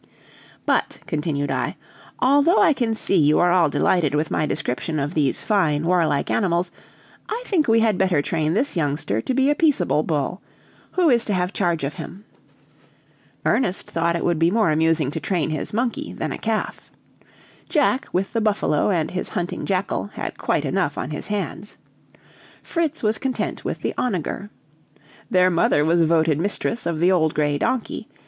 "But," continued I, "although I can see you are all delighted with my description of these fine, warlike animals, I think we had better train this youngster to be a peaceable bull. Who is to have charge of him?" Ernest thought it would be more amusing to train his monkey than a calf. Jack, with the buffalo and his hunting jackal, had quite enough on his hands. Fritz was content with the onager. Their mother was voted mistress of the old gray donkey.